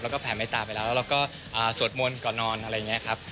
แล้วก็แผ่เมตตาไปแล้วแล้วเราก็สวดมนต์ก่อนนอนอะไรอย่างนี้ครับ